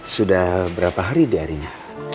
sudah berapa hari di harinya